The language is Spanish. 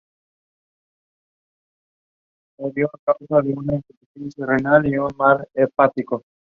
Las construcciones universales a menudo dan lugar a pares de funtores adjuntos.